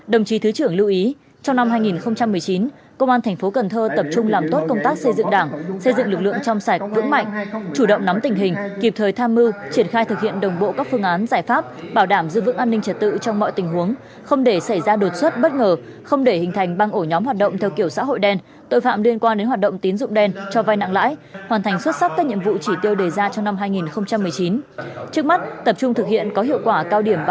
đồng chí thứ trưởng lưu ý trong năm hai nghìn một mươi chín công an thành phố cần thơ tập trung làm tốt công tác xây dựng đảng xây dựng lực lượng trong sạch vững mạnh chủ động nắm tình hình kịp thời tham mưu triển khai thực hiện đồng bộ các phương án giải pháp bảo đảm giữ vững an ninh trật tự trong mọi tình huống không để xảy ra đột xuất bất ngờ không để hình thành băng ổ nhóm hoạt động theo kiểu xã hội đen tội phạm liên quan đến hoạt động tín dụng đen cho vai nặng lãi hoàn thành xuất sắc các nhiệm vụ chỉ tiêu đề ra trong năm hai nghìn một mươi chín